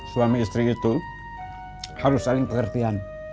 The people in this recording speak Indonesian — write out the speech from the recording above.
suami istri itu harus saling pengertian